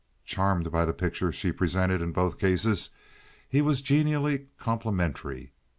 Charmed by the picture she presented in both cases, he was genially complimentary.